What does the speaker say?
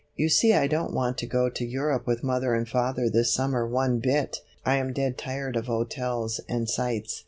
"You see I don't want to go to Europe with mother and father this summer one bit, I am dead tired of hotels and sights.